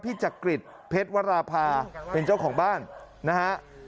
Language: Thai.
จักริจเพชรวราภาเป็นเจ้าของบ้านนะฮะ